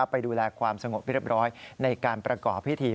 ไปดูแลความสงบเรียบร้อยในการประกอบพิธี